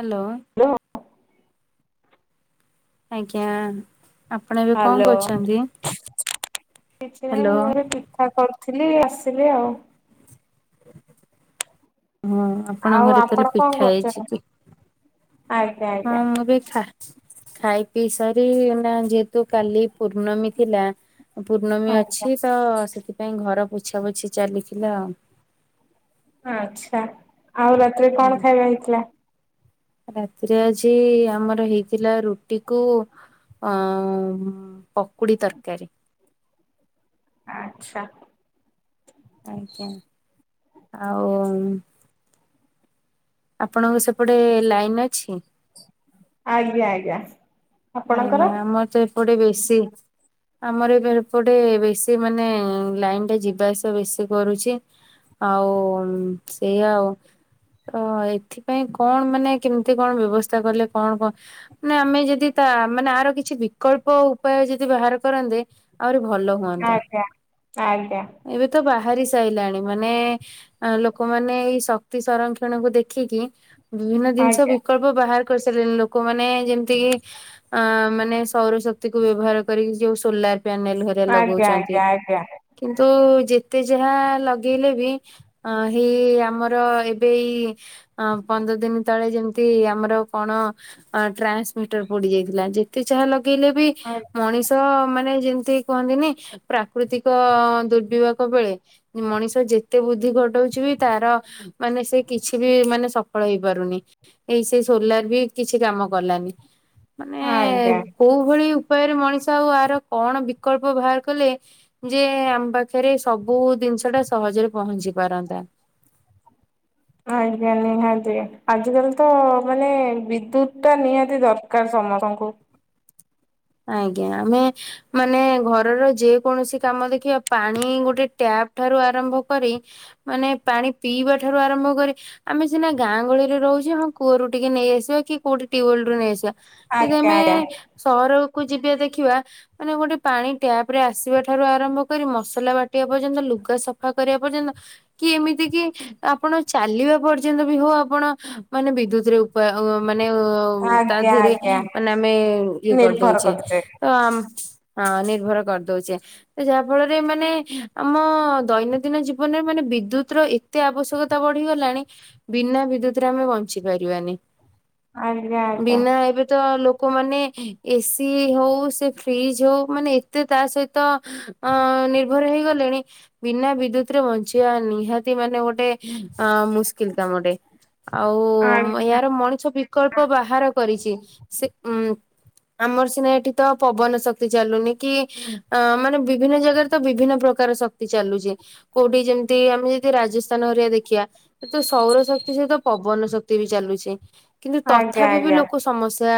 Hello. Hello ଆଜ୍ଞା ଆପଣ ଏବେ କଣ ହ୍ୟାଲୋ। କରୁଛନ୍ତି କିଛି ନାହିଁ ହାଲୋ। ମୁଁ ଏବେ ପିଠା କରୁଥିଲି ଆସିଲି ଆଉ। ହଁ ଆଉ ଆପଣଙ୍କ ଘରେ ଆପଣ ତାହେଲେ କଣ ପିଠା ହେଇଛି କରୁଛନ୍ତି? କି। ଆଜ୍ଞା ଆ। ହଁ ମୁଁ ବି ଖା। ଖାଇ, ପିଇ ସାରି ନା ଯେହେତୁ କାଲି ପୂର୍ଣ୍ଣମୀ ଥିଲା। ପୂର୍ଣ୍ଣମୀ ଆଜ୍ଞା ଅଛି ତ ସେଥିପାଇଁ ଘର ପୋଛାପୋଛି ଚାଲିଥିଲା ଆଉ। ଆଚ୍ଛା ଆଉ ରାତିରେ କ'ଣ ଖାଇବା ହେଇଥିଲା। ରାତିରେ ଆଜି ଆମର ହେଇଥିଲା ରୁଟି କୁ। ଅ ପକୁଡି ତରକାରୀ। ଆଚ୍ଛା। ଆଜ୍ଞା ଆଉ। ଆପଣଙ୍କ ସେପଟେ ଲାଇନ୍ ଅଛି। ଆଜ୍ଞା ଆଜ୍ଞା। ଆପଣଙ୍କର? ଆଜ୍ଞା ଆମର ତ ଏପଟେ ବେଶି ଆମର ଏବେ ଏପଟେ ବେଶି, ମାନେ ଲାଇନଟା ଯିବା ଆସବା ବେଶି କରୁଛି। ଆଉ ସେଇଆ ଆଉ। ତ ଏଥିପାଇଁ କଣ ମାନେ କେମିତି କଣ ବ୍ୟବସ୍ଥା କଲେ କଣ କଣ ନା ଆମେ ଯଦି ତା ମାନେ ଆର କିଛି ବିକଳ୍ପ ଉପାୟ ଯଦି ବାହାର କରନ୍ତେ, ଆହୁରି ଭଲ ହୁଅନ୍ତା। ଆଜ୍ଞା ଆଜ୍ଞା। ଏବେ ତ ବାହାରି ସାଇଲାଣି, ମାନେ ଆ ଲୋକମାନେ ଏଇ ଶକ୍ତି ସଂରକ୍ଷଣକୁ ଦେଖିକି ବିଭିନ୍ନ ଜିନିଷ ଆଜ୍ଞା ବିକଳ୍ପ ବାହାର କରିସାରିଲଣି। ଲୋକମାନେ ଯେମତି କି ଆ ମାନେ ସୌରଶକ୍ତିକୁ ବ୍ୟବହାର କରିକି ଯୋଉ ସୋଲାର ପ୍ୟାନେଲ ହେରିକା ଆଜ୍ଞା ଲଗଉଚନ୍ତି ଆଜ୍ଞା ଆଜ୍ଞା କିନ୍ତୁ ଯେତେ ଯାହା ଲଗେଇଲେ ବି ହେଇ ଆମର ଏବେ ଏଇ ଅଁ ପନ୍ଦର ଦିନ ତଳେ ଯେମିତି ଆମର କଣ? ଟ୍ରାନ୍ସମିଟର ପୋଡି ଯାଇଥିଲା। ଯେତେ ଯାହା ଲଗେଇଲେ ବି ମଣିଷ ତ ମାନେ ଯେମିତି କୁହନ୍ତିନି ପ୍ରାକୃତିକ ଦୁର୍ବିପାକ ବେଳେ ମଣିଷ ଯେତେ ବୁଦ୍ଧି ଖଟଉଛି ବି ତାର ମାନେ ସେ କିଛି ବି ମାନେ ସଫଳ ହେଇପାରୁନି। ଏଇ ସେ ସୋଲାର୍ ବି କିଛି କାମ କଲାନି। ମାନେ ଆଜ୍ଞା। କୋଉ ଭଳି ଉପାୟରେ ମଣିଷ ଆଉ ଆର କଣ ବିକଳ୍ପ ବାହାର କଲେ ଯେ ଆମ ପାଖରେ ସବୁ ଜିନିଷଟା ସହଜରେ ପହଞ୍ଚି ପାରନ୍ତା। ଆଜ୍ଞା। ନିହାତି, ଆଜିକାଲି ତ ମାନେ ବିଦ୍ୟୁତଟା ନିହାତି ଦରକାର ସମସ୍ତଙ୍କୁ। ଆଜ୍ଞା। ଆମେ ମାନେ ଘରର ଯେକୌଣସି କାମ ଦେଖିବା ପାଣି ଗୋଟେ ଟ୍ୟାପ୍ ଠାରୁ ଆରମ୍ଭ କରି ମାନେ ପାଣି ପିଇବା ଠାରୁ ଆରମ୍ଭ କରି ଆମେ ସିନା ଗାଁ ଗହଳିରେ ରହୁଚୁ। ହଁ, କୂଅରୁ ଟିକେ ନେଇଆସିବା କି କୋଉଠି ଟ୍ୟୁୱେଲରୁ ନେଇ ଆସିବା। ଯଦି ଆଜ୍ଞା ଆମେ ଆଜ୍ଞା ସହରକୁ ଯିବେ ଦେଖିବା। ମାନେ ଗୋଟେ ପାଣି ଟ୍ୟାପରେ ଆସିବା ଠାରୁ ଆରମ୍ଭ କରି ମସଲା ବାଟିବା ପର୍ଯ୍ୟନ୍ତ, ଲୁଗା ସଫା କରିବା ପର୍ଯ୍ୟନ୍ତ କି ଏମିତି କି ଆପଣ ଚାଲିବା ପର୍ଯ୍ୟନ୍ତ ବି ହଉ, ଆପଣ ମାନେ ବିଦ୍ୟୁତରେ ଆଉ ମାନେ ତା ଆଜ୍ଞା ଧିଅରେ ଆଜ୍ଞା ମାନେ ଆମେ ଇଏ କରିଦଉ। ନିର୍ଭର କରୁଛେ। ତ ଆମ ହଁ, ନିର୍ଭର କରିଦଉଛେ। ଯାହା ଫଳରେ ମାନେ ଆମ ଦୈନନ୍ଦିନ ଜୀବନରେ ମାନେ ବିଦ୍ୟୁତର ଏତେ ଆବଶ୍ୟକତା ବଢିଗଲାଣି, ବିନା ବିଦ୍ୟୁତରେ ଆମେ ବଞ୍ଚି ପାରିବାନି। ଆଜ୍ଞା ଆଜ୍ଞା ବିନା ଏବେ ତ ଲୋକମାନେ ଏସି ଏସି ହଉ, ସେ ଫ୍ରିଜ ହଉ, ମାନେ ଏତେ ତା ସହିତ ଅ ନିର୍ଭର ହେଇଗଲେଣି ବିନା ବିଦ୍ୟୁତରେ ବଞ୍ଚିବା ନିହାତି ମାନେ ଗୋଟେ ଆଁ ମୁସ୍କିଲ୍ କାମଟେ। ଆଉ ଆଜ୍ଞା ଏହାର ମଣିଷ ବି ବକଳ୍ପ ବାହାର କରିଛି। ସେ ଉଁ ଆମର ସିନା ଏଠି ତ ପବନ ଶକ୍ତି ଚାଲୁନି କି ଅ ମାନେ ବିଭିନ୍ନ ଜାଗାରେ ତ ବିଭିନ୍ନ ପ୍ରକାର ଶ କ୍ତି ଚାଲୁଚି। କୋଉଠି ଯେମିତି ଆମେ ଯଦି ରାଜସ୍ଥାନ ହେରିକା ଦେଖିବା ତ, ସୌର ଶକ୍ତି ସହିତ ପବନ ଶକ୍ତି ବି ଚାଲୁଛି। କିନ୍ତୁ ଆଜ୍ଞା ତଥାପି ବି ଆଜ୍ଞା ଲୋକ ସମସ୍ୟା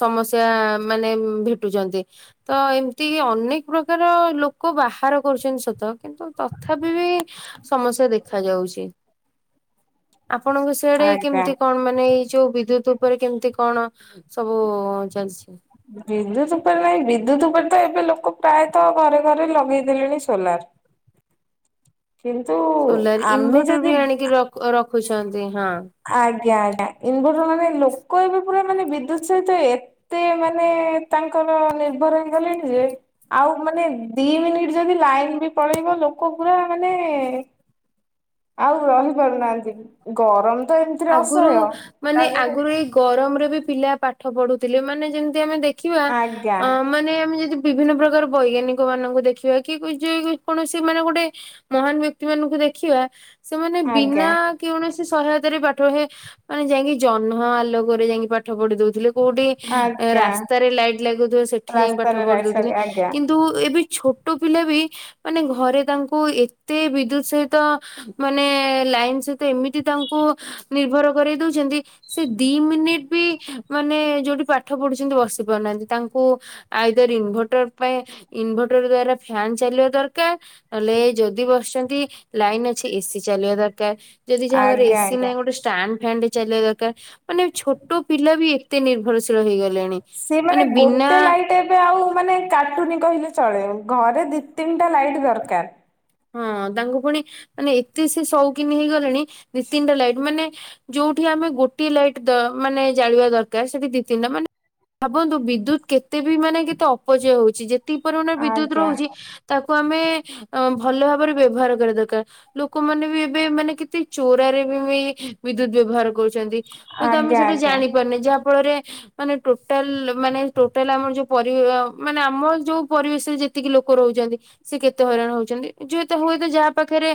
ସମସ ସ୍ୟା ମାନେ ଭେଟୁଛନ୍ତି। ତ ଏମିତିକି ଅନେକ ପ୍ରକାର ଲୋକ ବାହାର କରୁଛନ୍ତି ସତ। କିନ୍ତୁ ତଥାପି ବି ସମସ୍ୟା ଦେଖା ଯାଉଛି। ଆପଣଙ୍କ ସିଆଡେ ଆଜ୍ଞା। କେମିତି କଣ ମାନେ ଏଇ ଯୋଉ ବିଦ୍ୟୁତ ଉପରେ କେମିତି କଣ ସବୁ ଚାଲିଛି? ବିଦ୍ୟୁତ ଉପରେ ନାହିଁ ବିଦ୍ୟୁତ ଉପରେ ତ ଏବେ ଲୋକ ପ୍ରାୟତ ଘରେ ଘରେ ଲଗେଇ ଦେଲେଣି ସୋଲାର। କିନ୍ତୁ ସୋଲାର ଆମେ ଇନଭଟର ଯଦି ବି ଆଣିକି ରଖୁଛନ୍ତି ହଁ। ଆଜ୍ଞା ଆଜ୍ଞା ଇନଭଟର ମାନେ ଲୋକ ଏବେ ପୁରା ମାନେ ବିଦ୍ୟୁତ ସହିତ ଏ ଏତେ ମାନେ ତାଙ୍କର ନିର୍ଭର ହେଇଗଲେଣି ଯେ ଆଉ ମାନେ ଦି ମିନିଟ ଯଦି ଲାଇନ ବି ପଳେଇବ ଲୋକ ପୁରା ମାନେ ଆଉ ରହିପାରୁନାହାନ୍ତି ଗରମ ତ ଏମିତି ଆଗରୁ ମାନେ ଆଗରୁ ଏଇ ଗରମରେ ବି ପିଲା ପାଠ ପଢୁଥିଲେ ମାନେ ଯେମିତି ଆମେ ଦେଖିବା ଆଜ୍ଞା ଅ ମାନେ ଆମେ ଯଦି ବିଭିନ୍ନ ପ୍ରକାର ବୈଜ୍ଞାନିକ ମାନଙ୍କୁ ଦେଖିବା କି ଯେ କୌଣସି ମାନେ ଗୋଟେ ମହାନ ବ୍ୟକ୍ତି ମାନଙ୍କୁ ଦେଖିବା ସେମାନେ ଆଜ୍ଞା ବିନା କୌଣସି ସହାୟତାରେ ବାଟ ମାନେ ଯାଇକି ଜହ୍ନ ଆଲୋକରେ ଯାଇକି ପାଠ ପଢି ଦଉଥିଲେ କୋଉଠି ଆଜ୍ଞା। ରାସ୍ତାରେ ଲାଇଟ ଲାଗୁିବ ସେଠି ଯାଇ ପାଠ ରାସ୍ତାରେ ପଢି ଲାଇଟ୍ ଦଉଥିଲେ ସରି ଆଜ୍ଞା କିନ୍ତୁ କିନ୍ତୁ ଏବେ ଛୋଟ ପିଲା ବି ମାନେ ଘରେ ତାଙ୍କୁ ଏତେ ବିଦ୍ୟୁତ ସହିତ ମାନେ ଲାଇନ ସହିତ ଏମିତି ତାଙ୍କୁ ନିର୍ଭର କରଇ ଦଉଛନ୍ତି। ସେ ଦି ମିନିଟ ବି ମାନେ ଯୋଉଠି ପାଠ ପଢୁଛନ୍ତି ବସି ପାରୁନାହାନ୍ତି ତାଙ୍କୁ ଆଇଦର ଇନଭଟର ପାଇଁ ଇନଭଟର ଦ୍ଵାରା ଫ୍ୟାନ ଚାଲିବା ଦରକାର। ନଲେ ଯଦି ବସିଛନ୍ତି ଲାଇନ ଅଛି ଏସିି ଚାଲିବା ଦରକାର। ଯଦି ଯାହା ଘରେ ଆଜ୍ଞା ଏସି ଆଜ୍ଞା। ନାହିଁ ଗୋଟେ ଷ୍ଟାଣ୍ଡ ଫ୍ୟାନ ଟେ ଚାଲିବା ଦରକାର ମାନେ ଛୋଟ ପିଲା ବି ଏତେ ନିର୍ଭରଶୀଳ ହେଇଗଲେଣି। ସେ ମାନେ ଗୋଟେ ଲାଇ ଏବେ ଆଉ ମାନେ କାଟୁନି କହିଲେ ଚଳେ ଘରେ ଦି ତିନିଟା ଲାଇଟ୍ ଦରକାର। ହଁ ତାଙ୍କ ପୁଣି ମାନେ ଏତେ ସେ ସଉକିନ ହେଇଗଲେଣି ନୀତିନଟା ଲାଇଟ ମାନେ ଯୋଉଠି ଆମେ ଗୋଟିଏ ଲାଇଟ୍ ଦ ମାନେ ଜାଳିବା ଦରକାର ସେଠି ଦି ତିନଟା ମାନେ ଭାବନ୍ତୁ ବିଦ୍ୟୁତ କେତେ ବିମାନେ କେତେ ଅପଚୟ ହଉଛି ଯେ ତି ପରିମାଣ ବିଦ୍ୟୁତ ଆଜ୍ଞା ରହୁଛି ତାକୁ ଆମେ ଭଲ ଭାବରେ ବ୍ୟବହାର କରିବା ଦରକାର। ଲୋକମାନେ ବି ଏବେ ମାନେ କେତେ ଚୋରାରେ ବି ବିଦ୍ୟୁତ ବ୍ୟବହାର କରୁଛନ୍ତି। ହୁଏତ ଆମେ ଆଜ୍ଞା ସେଟା ଆଜ୍ଞା ଜାଣିପାରୁନି ଯାହା ଫଳରେ ମାନେ ଟୋଟାଲ ମାନେ ଟୋଟାଲ ଆମର ଯୋଉ ପରି ମାନେ ଆମ ଯୋଉ ପରିବେଶରେ ଯେ ଏତିକି ଲୋକ ରହୁଛନ୍ତି ସେ କେତେ ହଇରାଣ ହଉଛନ୍ତି। ଯେଏତ ହୁଏତ ଯାହା ପାଖରେ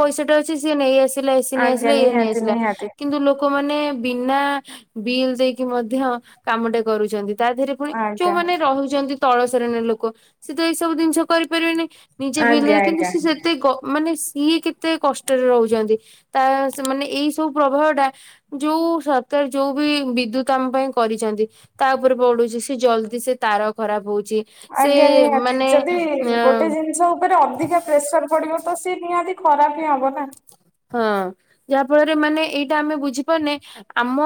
ପଇସାଟା ଅଛି ସିଏ ନେଇ ଆସିଲା ଏସିି ନେଇ ଆଜ୍ଞା ଆସିଲା ଇଏ ନେଇ ନିହାତି ଆସିଲା। ନିହାତି କିନ୍ତୁ ଲୋକମାନେ ବିନା ବିଲ୍ ଦେଇକି ମଧ୍ୟ କାମଟେ କରୁଛନ୍ତି। ତା ଦେହରେ ପୁଣି ଆଜ୍ଞା। ଯୋଉମାନେ ରହୁଛନ୍ତି ତଳ ଶ୍ରେଣୀର ଲୋକ ସେ ତ ଏଇ ସବୁ ଜିନିଷ କରିପାରିବେନି। ନିଜେ ଆଜ୍ଞା ବିଲରେ କିନ୍ତୁ ଆଜ୍ଞା। ସି ସେତେ ମାନେ ସିଏ କେତେ କଷ୍ଟରେ ରହୁଛନ୍ତି। ତା ମାନେ ଏଇ ସବୁ ପ୍ରବାହଟା ଯୋଉ ସରକାର ଯୋଉ ବି ବିଦ୍ୟୁତ ଆମ ପାଇଁ କରିଛନ୍ତି। ତା ଉପରେ ପଡୁଛି ସେ ଜଲଦି ସେ ତାର ଖରାପ ହଉଛି। ସେ ଆଜ୍ଞା ନିହାତି ମାନେ ଯଦି ଗୋଟେ ଅ ଜିନିଷ ଉପରେ ଅଧିକା ପ୍ରେସର ପଡିବ ତ ସେ ନିହାତି ଖରାପ ହିଁ ହବ ନା। ହଁ ଯାହା ଫଳରେ ମାନେ ଏଇଟା ଆମେ ବୁଝିପାରୁନେ। ଆମ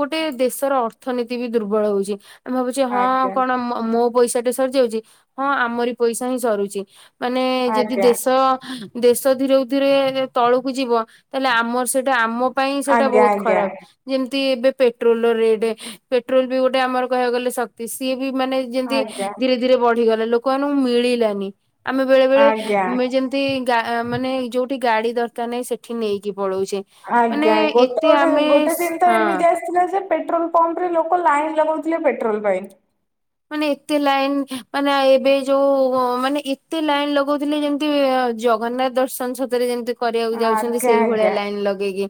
ଗୋଟେ ଦେଶର ଅର୍ଥନୀତି ବି ଦୁର୍ବଳ ହଉଛି। ଆମେ ଭାବୁଛେ ହଁ ଆଜ୍ଞା କଣ ମୋ ମୋ ପଇସାଟା ସରିଯାଇଛି। ହଁ ଆମରି ପଇସା ହିଁ ସରୁଛି। ମାନେ ଯଦି ଆଜ୍ଞା ଦେଶ, ଦେଶ ଧୀରେକୁ ଧୀରେ ତଳକୁ ଯିବ, ତାହେଲେ ଆମର ସେଟା ଆମ ପାଇଁ ସେଇଟା ଆଜ୍ଞା ବହୁତ ଆଜ୍ଞା ଖରାପ। ଯେମିତି ଏବେ ପେଟ୍ରୋଲର ରେଟ୍, ପେଟ୍ରୋଲ ବି ଗୋଟେ ଆମର କହିବାକୁ ଗଲେ ଶକ୍ତି। ସିଏ ବି ମାନେ ଯେମତି ଆଜ୍ଞା ଧୀରେ ଧୀରେ ବଢିଗଲେ, ଲୋକମାନଙ୍କୁ ମିଳିଲାନି। ଆମେ ବେଳେ ବେଳେ ଆଜ୍ଞା। ଯେମତି ତି ଗା ମାନେ ଯୋଉଠି ଗାଡି ଦରକାର ନାହିଁ ସେଠି ନେଇକି ପଳଉଛେ। ମାନେ ଆଜ୍ଞା, ଗୋଟେ ଏତେ -ଗୋଟେ ଆମେ -ଗୋଟେ ସ- ଦିନ ତ ହଁ ଏମିତି ଆସ ଥିଲା ଯେ ପେଟ୍ରୋଲ ପମ୍ପରେ ଲୋକ ଲାଇନ ଲଗଉଥିଲେ ପେଟ୍ରୋଲ ପାଇଁ। ମାନେ ଏତେ ଲାଇନ, ମାନେ ଏବେ ଯୋଉ ମାନେ ଏତେ ଲାଇନ ଲଗଉଥିଲେ ଯେମିତି ଜଗନ୍ନାଥ ଦର୍ଶନ ସତରେ ଯେମିତି କରିବାକୁ ଯାଉଛନ୍ତି ଆଜ୍ଞା ସେଇ ଭଳିଆ ଆଜ୍ଞା ଲାଇନ ଲଗେଇକି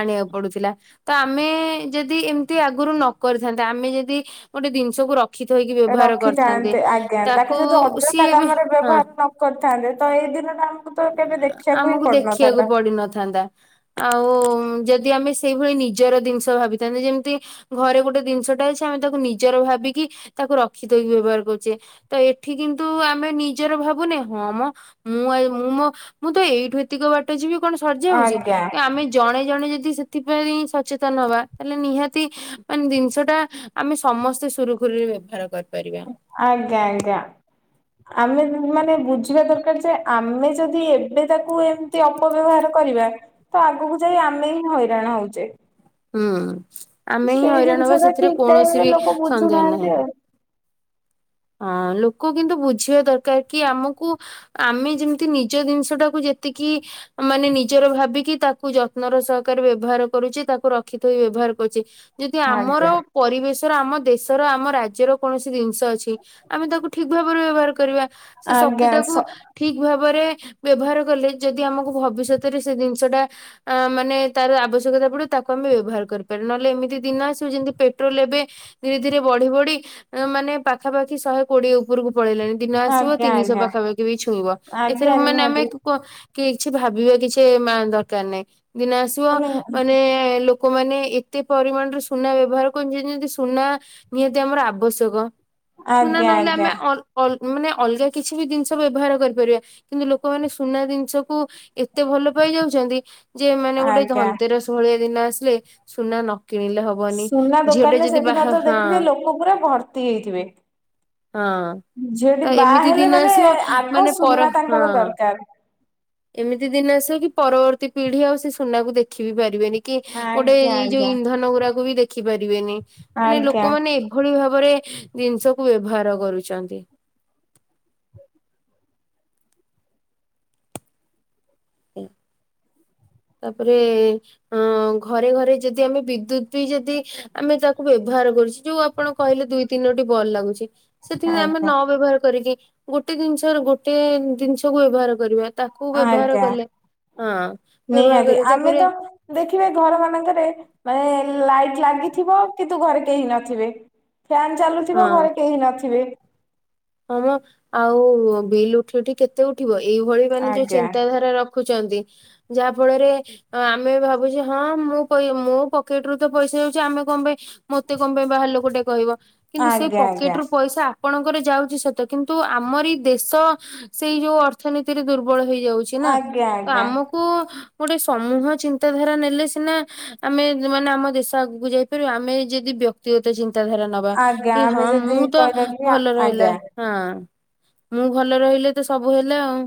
ଆଣିବାକୁ ପଡୁଥିଲା। ତ ଆମେ ଯଦି ଏମିତି ଆଗରୁ ନ କରିଥାନ୍ତେ, ଆମେ ଯଦି ଗୋଟେ ଜିନିଷକୁ ରଖ ରଖି ଥୋଇକି ବ୍ୟବହାର କରିଥାନ୍ତେ। ରଖିଥାନ୍ତେ ଆଜ୍ଞା ତାକୁ ଯଦି ଅଯଥା ସିଏ ଏବେ କାମରେ ହଁ ବ୍ୟବହାର ନ କରିଥାନ୍ତେ, ତ ଏଇ ଦିନ ଆମକୁ ଦେଖିଆକୁ ପଡିନଥାନ୍ତା। ଆଉ ଯଦି ଆମେ ସେଇଭଳି ନିଜର ଜିନିଷ ଭାବିଥାନ୍ତେ, ଯେମିତି ଘରେ ଗୋଟେ ଜିନିଷଟା ଅଛି, ଆମେ ତାକୁ ନିଜର ଭାବିକି ତାକୁ ରଖିତଥୋଇକି ବ୍ୟବହାର କରୁଛେ। ତ ଏଠି କିନ୍ତୁ ଆମେ ନିଜର ଭାବୁନେ। ହଁ ମ ମୁଁ ଆୟୁ ମୁଁ ମୋ, ମୁଁ ତ ଏଇଠୁ ଏତିକ ବାଟ ଯିବି କଣ ସରି ଯାଉଛି? ଆଜ୍ଞା ଏ ଆମେ ଜଣେ ଜଣେ ଯଦି ସେଥିପାଇଁ ସଚେତନ ହବା, ତାହେଲେ ନିହାତି ମାନେ ଜିନିଷ ଟା ଆମେ ସମସ୍ତେ ସୁରୁଖୁରୁରେ ବ୍ୟବହାର କରିପାରିବା। ଆଜ୍ଞା, ଆଜ୍ଞା। ଆମେ ବି ମାନେ ବୁଝିବା ଦରକାର ଯେ, ଆମେ ଯଦି ଏବେ ତାକୁ ଏ ନ୍ତି ଅପବ୍ୟବହାର କରିବା ତ ଆଗକୁ ଯାଇ ଆମେ ହିଁ ହଇରାଣ ହଉଛେ। ହୁଁ ଆମେ ହିଁ ସେଇ ହଇରାଣ ଜିନିଷ ହବା। ଟା ସେଥିରେ ଠିକ ଟାଇମ କୌଣସି ରେ ବି ଲୋକ ସନ୍ଦେହ ବୁଝୁନାହାନ୍ତି ନାହିଁ। ଆଉ ହଁ ଲୋକ କିନ୍ତୁ ବୁଝିବା ଦରକାର କି ଆମୁକୁ ଆମେ ଯେମିତି ନିଜ ଜିନିଷଟାକୁ ଯେତିକି ମାନେ ନିଜର ଭାବିକି ତାକୁ ଯତ୍ନର ସହକାରେ ବ୍ୟବହାର କରୁଚି। ତାକୁ ରଖିଥୋଇ ବ୍ୟବହାର କରୁଚି। ଯଦି ଆମର ଆଜ୍ଞା ପରିବେଶର, ଆମ ଦେଶର, ଆମ ରାଜ୍ୟର କୌଣସି ଜିନିଷ ଅଛି ଆମେ ତାକୁ ଠିକ ଭାବରେ ବ୍ୟବହାର କରିବା। ସେ ଶକ୍ତି ଆଜ୍ଞା ଟାକୁ ସ ଠିକ ଭାବରେ ବ୍ୟବହାର କଲେ ଯଦି ଆମକୁ ଭବିଷ୍ୟତରେ ସେ ଜିନିଷଟା ଆ ମାନେ ତାର ଆବଶ୍ୟକତା ପଡିବ ତାକୁ ଆମେ ବ୍ୟବହାର କରିପାରି। ନହେଲେ ଏମିତି ଦିନ ଆସିବ ଯେମିତି ପେଟ୍ରୋଲ ଏବେ ଧୀରେ ଧୀରେ ବଢି ବଢି ମାନେ ପାଖାପାଖି ଶହେ କୋଡିଏ ଉପରକୁ ପଳେଇଲେଣି। ଦିନ ଆସିବ ଆଜ୍ଞା ତିନିଶହ ଆଜ୍ଞା ପାଖାପାଖି ବି ଛୁଇଁବ। ଆଜ୍ଞା ଏଥରିକ ମାନେ ଆମେ ନିହାତି କୁହ କିଏ କିଛି ଭାବିବା କିଛି ମା ଦରକାର ନାହିଁ। ଦିନ ଆସିବ ମାନେ ଲୋକ ଲୋକୋମାନେ ଏତେ ପରିମାଣରେ ସୁନା ବ୍ୟବହାର କରୁଛନ୍ତି ଯେମତି ସୁନା ନିହାତି ଆମର ଆବଶ୍ୟକ। ସୁନା ଆଜ୍ଞା ନହେଲେ ଆଜ୍ଞା ଆମେ ଅଲ- ଅଲ ମାନେ ଅଲଗା କିଛି ବି ଜିନିଷ ବ୍ୟବହାର କରିପାରିବା। କିନ୍ତୁ ଲୋକମାନେ ସୁନା ଜିନିଷକୁ ଏତେ ଭଲ ପାଇ ଯାଉଛନ୍ତି ଯେ ମାନେ ଗୋଟେ ଆଜ୍ଞା ଧନନ୍ତିରସ ଭଳିଆ ଦିନ ଆସିଲେ ସୁନା ନ କିଣିଲେ ହବ ସୁନା ଦୋକାନରେ ସେଦିନ ତ ଦେଖିବେ ଲୋକ ପୁରା ଭର୍ତ୍ତି ହେଇଥିବେ। ହଁ ଝିଅଟିି ତ ବାହା ଏମିତି ହେଲେ ଦିନ ମାନେ ଆସିବ ଆଗ ମାନେ ପର ସୁନା ହଁ ତାଙ୍କର ଦରକାର। ଏମିତି ଦିନ ଆସିବ କି ପରବର୍ତ୍ତୀ ପିଢି ଆଉ ସେ ସୁନାକୁ ଦେଖି ବି ପାରିବେନି। କି ଗୋଟେ ଆଜ୍ଞା ଏଇ ଯୋଉ ଆଜ୍ଞା। ଇନ୍ଧନ ଗୁରାକୁ ବି ଦେଖି ପାରିବେନି। ମାନେ ଆଜ୍ଞା ଲୋକମାନେ ଏଭଳି ଭାବରେ ଜିନିଷ କୁ ବ୍ୟବହାର କରୁଛନ୍ତି। ହୁଁ। ତାପରେ, ଅ ଘରେ ଘରେ ଯଦି ଆମେ ବିଦ୍ୟୁତ ବି ଯଦି ଆମେ ତାକୁ ବ୍ୟବହାର କରୁଚୁ, ଯୋଉ ଆପଣ କହିଲେ ଦୁଇ ତିନୋଟି ବଲ ଲାଗୁଚି ସେଠି ଆମେ ଆଜ୍ଞା ନ ବ୍ୟବହାର କରିକି, ଗୋଟେ ଜିନିଷ, ଗୋଟେ ଜିନିଷକୁ ବ୍ୟବହାର କରିବା ତା କୁ ବ୍ୟବହାର ଆଜ୍ଞା କଲେ, ହଁ। ବ୍ୟବହାର ନିହାତି, କରେ ଆମେ ତାପରେ ତ ଦେଖିବେ ଘର ମାନଙ୍କରେ, ମାନେ ଲାଇଟ୍ ଲାଗିଥିବ, କିନ୍ତୁ ଘରେ କେହି ନଥିବେ। ଫ୍ୟାନ ଚାଲୁଥିବ, ଘରେ କେହି ନଥିବେ। ହଁମ ଆଉ ବିଲ୍ ଉଠି ଉଠି କେତେ ଉଠିବ ଏଇଭଳି ମାନେ ଯୋଉ ଆଜ୍ଞା ଚିନ୍ତାଧାରା ରଖୁଚନ୍ତି, ଯାହା ଫଳରେ ତ ଆମେ ଭାବୁଚୁ ହଁ, ମୋ ପାଇଁ, ମୋ ପକେଟ୍ ରୁ ତ ପଇସା ଯାଉଚି, ଆମେ କଁ ପାଇଁ ମତେ କଣ ପାଇଁ ବାହାର ଲୋକ ଟେ କହିବ କିନ୍ତୁ ସେଇ ଆଜ୍ଞା ପକେଟ୍ ଆଜ୍ଞା। ରୁ ପଇସା ଆପଣଙ୍କର ଯାଉ ସତ କିନ୍ତୁ ଆମରି ଦେଶ ସେଇ ଯୋଉ ଅର୍ଥନୀତିରେ ଦୁର୍ବଳ ହେଇଯାଉଚି। ନା, ଆଜ୍ଞା ତ ଆଜ୍ଞା ଆମକୁ ଗୋଟେ ସମୂହ ଚିନ୍ତାଧାରା ନେଲେ ସିନା ଆମେ ମାନେ ଆମ ଦେଶ ଆଗକୁ ଯାଇପାରିବ, ଆମେ ଯଦି ବ୍ୟକ୍ତିଗତ ଚିନ୍ତାଧାରା ନବା, ଆଜ୍ଞା କି ଆମେ ହଁ ଯଦି ମୁଁ ତ କହିବା କି ଭଲ ଆଜ୍ଞା ରହିଲା। ହଁ, ମୁଁ ଭଲ ରହିଲେ ତ, ସବୁ ହେଲା ଆଉ।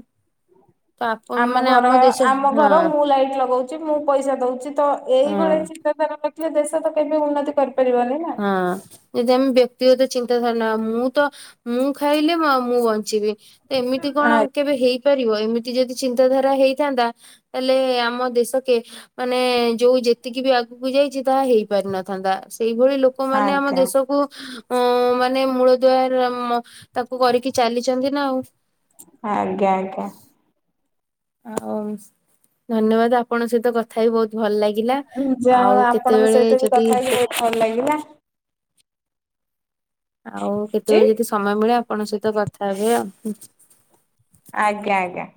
ତ ଆପ ଆମ ମାନେ ଘର, ଦେଶ ଆମ ହଁ ଘରେ ମୁଁ ଲାଇଟ ଲଗଉ ଚି, ମୁଁ ପଇସା ଦଉଚି, ତ ଏଇଭଳିଆ ହଁ ଚିନ୍ତାଧାରା ରଖିଲେ ଦେଶ ତ କେବେ ଉନ୍ନତି କରିପାରିବନି ନା ହଁ, ଏ ଯେମିତି ବ୍ୟକ୍ତିଗତ ଚିନ୍ତାଧାରଣା, ମୁଁ ତ ମୁଁ ଖାଇଲେ ମୁଁ ବଞ୍ଚିବି, ତ ଏମିତି କଣ କେବେ ହେଇ ପାରିବ, ଏମିତି ଯଦି ଚିନ୍ତାଧାରା ହେଇଥାନ୍ତା, ତାହେଲେ ଆମ ଦେଶ କେ ମାନେ ଯୋଉ ଯେତିକି ବି ଆଗକୁ ଯାଇଚି, ତାହା ହେଇପାରିନଥାନ୍ତା, ସେଇ ଏଭଳି ଆଜ୍ଞା ଲୋକମାନେ ଆମ ଆଜ୍ଞା ଦେଶକୁ ଅ ମାନେ ମୂଳଦୁଆର ତାକୁ କରିକି ଚାଲିଚନ୍ତି ନା ଆଉ। ଆଜ୍ଞା ଆଜ୍ଞା। ଆଉ, ଧନ୍ୟବାଦ ଆପଣଙ୍କ ସହିତ କଥା ବି ବହୁତ ଭଲ ଲାଗେ ଯା ହଉ, ଆପଣଙ୍କ ସହିତ ବି କଥା ହେଇି ବହୁତ ଭଲ ଲାଗିଲା। ଆଉ କେତେବେଳେ ଯଦି ସମୟ ମିଳେ, ଆପଣଙ୍କ ସହିତ କଥା ହେବେ ଆଉ। ଆଜ୍ଞା ଆଜ୍ଞା।